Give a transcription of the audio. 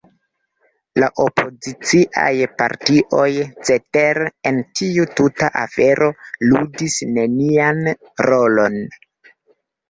La opoziciaj partioj, cetere, en tiu tuta afero ludis nenian rolon.